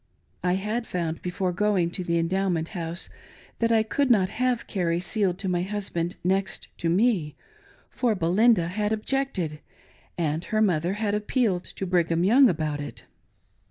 I had found before going to the Endow ment House that I could not have Carrie sealed to my hus band next to me, for Belinda had objected, and her mother had appealed to Brigham Young about it.